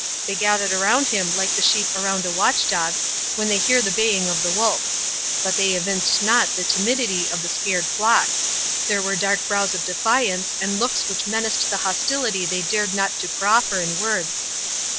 They gathered around him like the sheep around the watch dog, when they hear the baying of the wolf. But they evinced not the timidity of the scared flock—there were dark brows of defiance, and looks which menaced the hostility they dared not to proffer in words.